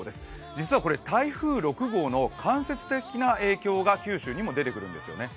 実はこれ台風６号の間接的な影響が九州にも出てくるんですよね。